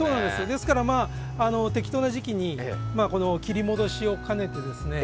ですからまあ適当な時期に切り戻しを兼ねてですね